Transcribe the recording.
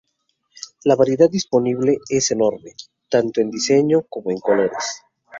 Las variedad disponible es enorme, tanto en diseño como en colores.